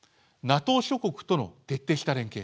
ＮＡＴＯ諸国との徹底した連携